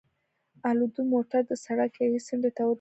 الدو، موټر دې د سړک یوې څنډې ته ودروه.